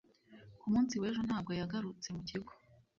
Ku munsi w'ejo ntabwo yagarutse mu kigo